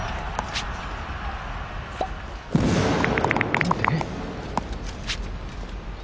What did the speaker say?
何で？